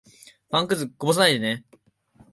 パンくず、こぼさないでね。